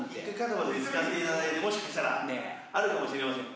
もしかしたらあるかもしれません。